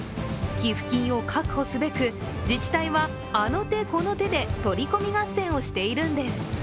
寄付金を確保すべく、自治体はあの手この手で取り込み合戦をしているんです。